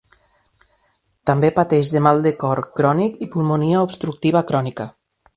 També pateix de mal de cor crònic i pulmonia obstructiva crònica.